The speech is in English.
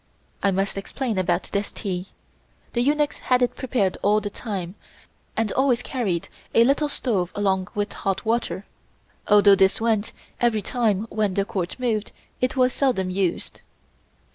I must explain about this tea; the eunuchs had it prepared all the time and always carried a little stove along with hot water. Although this went every time when the Court moved, it was seldom used.